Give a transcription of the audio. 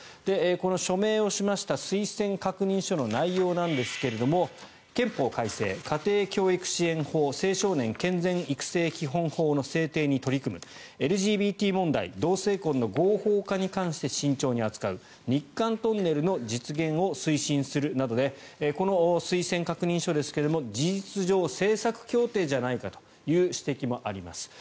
この署名をしました推薦確認書の内容なんですが憲法改正、家庭教育支援法青少年健全育成基本法の制定に取り組むＬＧＢＴ問題同性婚の合法化に関して慎重に扱う日韓トンネルの実現を推進するなどでこの推薦確認書ですが事実上政策協定じゃないかという指摘もあります。